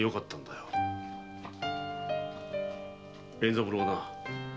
連三郎はな